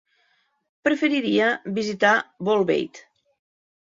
Preferiria visitar Bolbait.